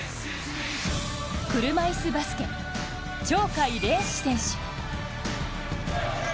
車いすバスケ・鳥海連志選手。